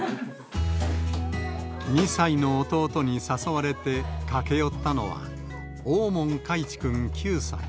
２歳の弟に誘われて駆け寄ったのは、大門海智君９歳。